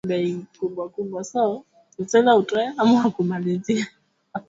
Myoko yake ngulube inaisha yote mu shamba